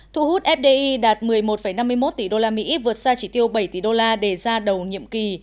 thu hút fdi đạt một mươi một năm mươi một tỷ đô la mỹ vượt xa chỉ tiêu bảy tỷ đô la đề ra đầu nhiệm kỳ